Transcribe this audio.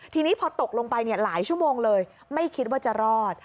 ทีนี้พอตกลงไปหลายชั่วโมงเลยไม่คิดว่าจะรอด